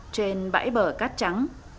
trên bãi bờ cát trắng